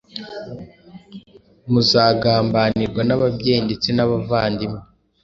Muzagambanirwa n’ababyeyi ndetse n’abavandimwe,